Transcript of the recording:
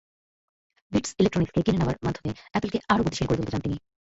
Bits ইলেকট্রনিকসকে কিনে নেওয়ার মাধ্যমে অ্যাপলকে আরও গতিশীল করে তুলতে চান তিনি।